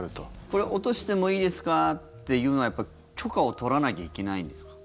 これは落としてもいいですかというのは許可を取らなきゃいけないんですか？